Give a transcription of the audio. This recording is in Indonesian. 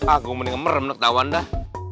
ah gua mendingan merem nih ketauan dah